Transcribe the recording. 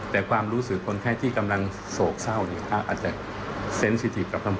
แต่ความรู้สึกคนไข้ที่กำลังโศกเศร้า